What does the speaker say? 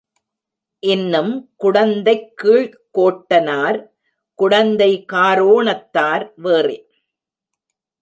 இன்னும் குடந்தைக் கீழ்க்கோட்டனார், குடந்தை காரோணத்தார் வேறே.